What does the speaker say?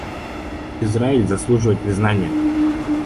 Израиль заслуживает признания.